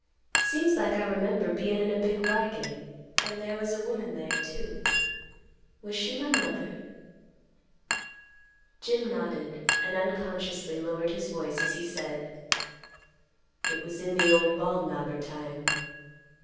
"Seems like I remember bein' in a big wagon, and there was a woman there too; was she my mother?" Jim nodded, and unconsciously lowered his voice, as he said, "It was in the old Bald Knobber time.